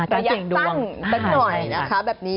ระยะสั้นสักหน่อยนะคะแบบนี้